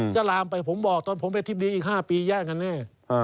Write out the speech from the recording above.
จะลามไปผมบอกตอนผมเป็นอธิบดีอีก๕ปีแย่งกันแน่